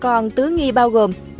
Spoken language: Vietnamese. còn tứ nghi bao gồm